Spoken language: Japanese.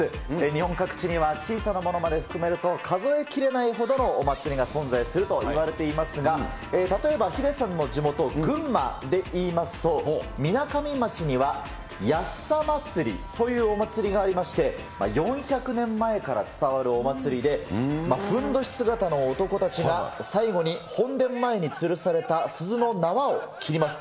日本各地には小さなものまで含めると、数えきれないほどのお祭りが存在するといわれていますが、例えば、ヒデさんの地元、群馬でいいますと、みなかみ町にはヤッサ祭りというお祭りがありまして、４００年前から伝わるお祭りで、ふんどし姿の男たちが、最後に本殿前につるされた鈴の縄を切ります。